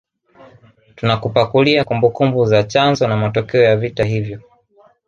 Tunakupakulia kumbukumbu za chanzo na matokeo ya vita hivyo